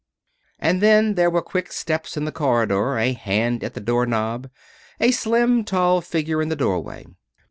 And then there were quick steps in the corridor, a hand at the door knob, a slim, tall figure in the doorway.